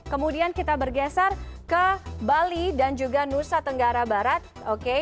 kemudian kita bergeser ke bali dan juga nusa tenggara barat oke